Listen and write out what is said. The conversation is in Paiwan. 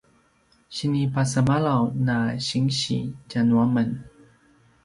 sinipasemalaw na sinsi tja nuamen